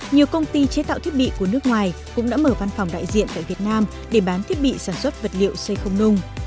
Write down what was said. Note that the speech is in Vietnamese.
nhiều công ty chế tạo thiết bị của nước ngoài cũng đã mở văn phòng đại diện tại việt nam để bán thiết bị sản xuất vật liệu xây không nung